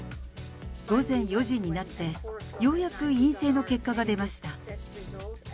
午前４時になって、ようやく陰性の結果が出ました。